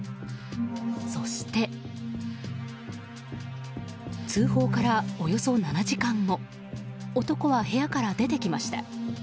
そして、通報からおよそ７時間後男は部屋から出てきました。